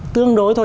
tương đối thôi